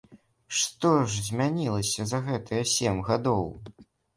Што ж змянілася за гэтыя сем гадоў?